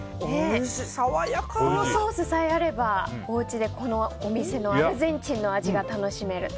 このソースさえあればおうちで、お店のアルゼンチンの味が楽しめる。